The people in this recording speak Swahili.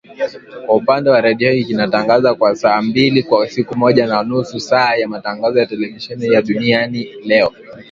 Kwa upande wa redio inatangaza kwa saa mbili kwa siku pamoja na nusu saa ya matangazo ya televisheni ya Duniani Leo